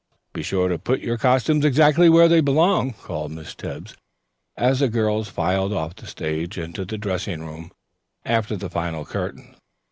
"Be sure and put your costumes exactly where they belong," called Miss Tebbs as the girls filed off the stage into the dressing room after the final curtain.